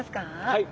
はい。